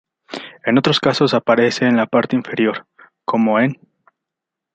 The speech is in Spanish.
En otros casos aparece en la parte inferior, como en 毞.